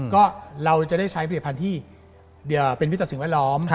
ก็เราจะได้ใช้ผลิตภัณฑ์ที่เป็นพิกัดสิ่งแวดล้อม